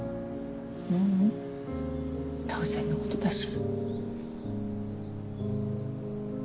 ううん当然のことだし。